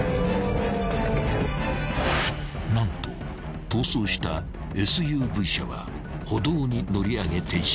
［何と逃走したＳＵＶ車は歩道に乗り上げ停車］